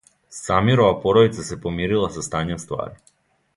Самирова породица се помирила са стањем ствари.